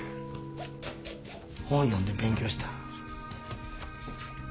本読んで勉強した。